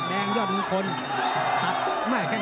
แดงยอดมงคลแตะ